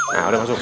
nah udah masuk